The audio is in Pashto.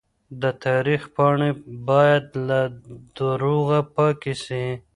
د تاريخ پاڼې بايد له دروغه پاکې سي.